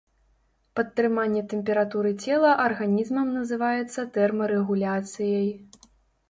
Падтрыманне тэмпературы цела арганізмам называецца тэрмарэгуляцыяй.